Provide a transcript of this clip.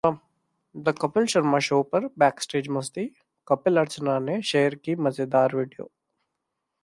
the Kapil Sharma show पर backstage मस्ती, कपिल-अर्चना ने शेयर की मजेदार Video